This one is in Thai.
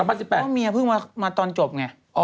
เพราะเมียเพิ่งมาตอนจบไง